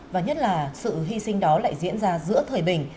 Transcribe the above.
và nhất là sự hy sinh đó lại diễn ra giữa thời bình